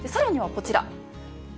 さらにはこちら。